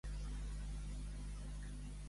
Quina és la combinació de la Quiniela de demà?